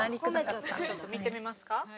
ちょっと見てみますか。